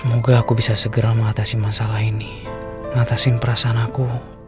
matasin perasaan aku